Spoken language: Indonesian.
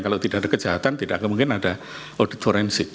kalau tidak ada kejahatan tidak kemungkinan ada audit forensik